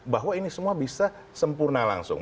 bahwa ini semua bisa sempurna langsung